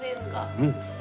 うん。